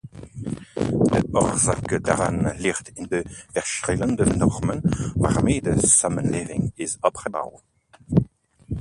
De oorzaak daarvan ligt in de verschillende normen waarmee de samenleving is opgebouwd.